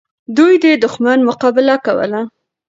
دوی د دښمن مقابله کوله.